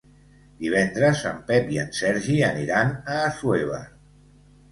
Divendres en Pep i en Sergi aniran a Assuévar.